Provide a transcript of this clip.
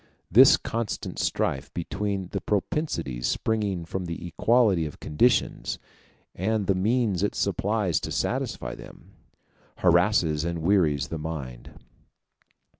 This constant strife between the propensities springing from the equality of conditions and the means it supplies to satisfy them, harasses and wearies the mind.